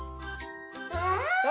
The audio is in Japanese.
わあ！